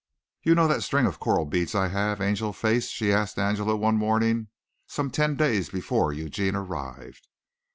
"You know that string of coral beads I have, Angel Face," she asked Angela one morning some ten days before Eugene arrived.